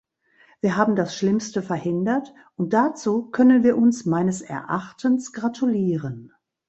Wir haben das schlimmste verhindert, und dazu können wir uns meines Erachtens gratulieren.